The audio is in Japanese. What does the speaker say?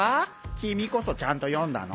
君こそちゃんと読んだの？